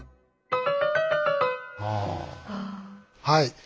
はい。